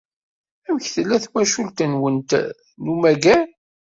Amek tella twacult-nwent n ummager?